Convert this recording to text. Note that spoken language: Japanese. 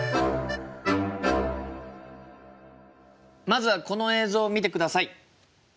まずはこの映像を見てください！